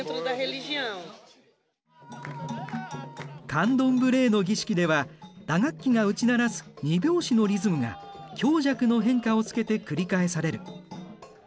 カンドンブレーの儀式では打楽器が打ち鳴らす２拍子のリズムが強弱の変化をつけて繰り返される。